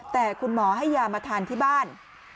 แต่คุณหมอให้ยามาทานที่บ้าน